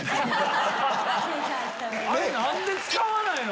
何で使わないの？